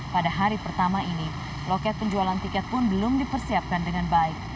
pada hari pertama ini loket penjualan tiket pun belum dipersiapkan dengan baik